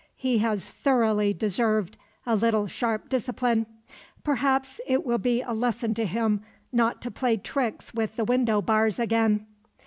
He has thoroughly deserved a little sharp discipline. Perhaps it will be a lesson to him not to play tricks with the window bars again."